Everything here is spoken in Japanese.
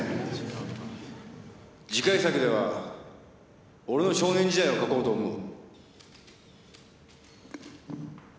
次回作では俺の少年時代を書こうと思う。